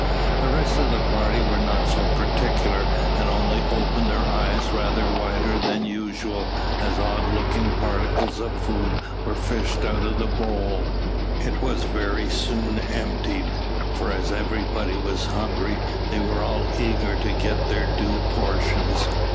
The rest of the party were not so particular, and only opened their eyes rather wider than usual as odd looking particles of food were fished out of the bowl. It was very soon emptied, for as everybody was hungry, they were all eager to get their due portions.